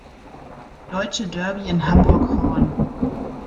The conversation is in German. Deutsche Derby in Hamburg-Horn.